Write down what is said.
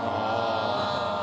ああ。